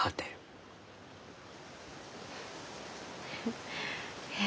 フッえ？